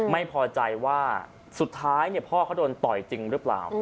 ไม่พอใจว่าสุดท้ายพ่อเขาโดนต่อยจริงหรือเปล่า